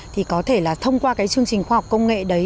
thì có thể là thông qua cái chương trình khoa học công nghệ đấy